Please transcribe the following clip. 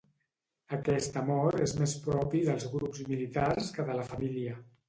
Aquest amor és més propi dels grups militars que de la família.